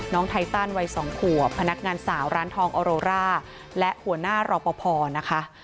ไทตันวัย๒ขวบพนักงานสาวร้านทองออโรร่าและหัวหน้ารอปภนะคะ